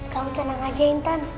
kamu tenang aja intan